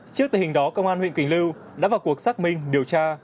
trước tình hình đó công an huyện quỳnh lưu đã vào cuộc xác minh điều tra